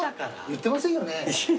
言ってませんよね？